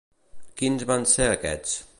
Quins van ser aquests?